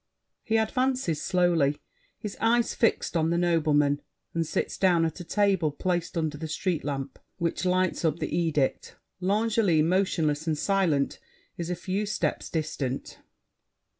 [He advances slowly, his eyes fixed on the noblemen, and sits down at a table placed under the street lamp, which lights up the edict. L'Angely, motionless and silent, is a few steps distant.